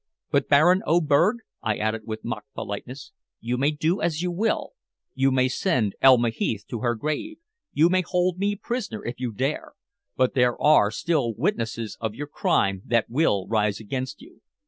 But Baron Oberg," I added with mock politeness, "you may do as you will, you may send Elma Heath to her grave, you may hold me prisoner if you dare, but there are still witnesses of your crime that will rise against you."